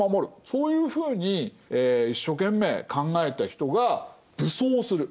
そういうふうに一生懸命考えた人が武装する。